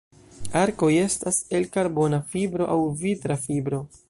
Arkoj estas el karbona fibro aŭ vitra fibro.